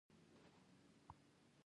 دوی د انفلاسیون مخه نیسي.